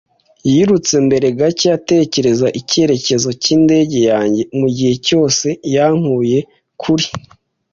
yirutse mbere, gake atekereza icyerekezo cyindege yanjye, mugihe cyose yankuye kuri